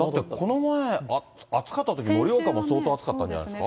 この前、暑かったとき盛岡も相当暑かったんじゃないですか。